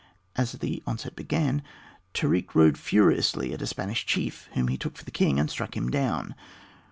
As the onset began, Tarik rode furiously at a Spanish chief whom he took for the king, and struck him down.